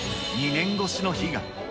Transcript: ２年越しの悲願。